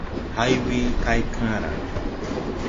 Hay we kay kããra.